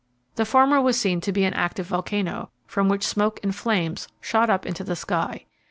The former was seen to be an active volcano, from which smoke and flames shot up into the sky.